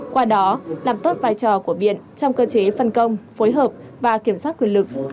qua đó làm tốt vai trò của viện trong cơ chế phân công phối hợp và kiểm soát quyền lực